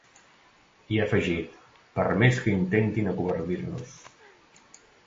I ha afegit: ‘Per més que intentin acovardir-nos’.